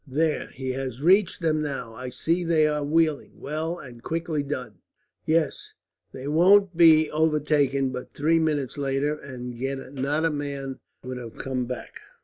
"There, he has reached them now. I see they are wheeling. Well and quickly done! Yes, they won't be overtaken; but three minutes later, and not a man would have come back.